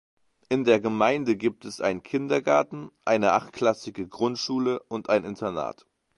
In der Gemeinde gibt es einen Kindergarten, eine achtklassige Grundschule und ein Internat.